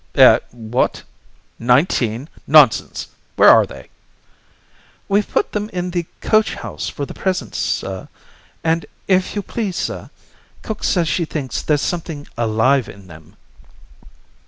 "Eh? What? Nineteen? Nonsense! Where are they?" "We've put them in the coachhouse for the present, sir. And if you please, sir, cook says she thinks there's something alive in them."